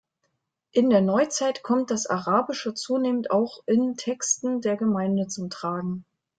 In der Neuzeit kommt das Arabische zunehmend auch in Texten der Gemeinde zum Tragen.